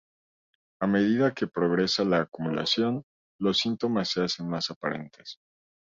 A medida que progresa la acumulación, los síntomas se hacen más aparentes.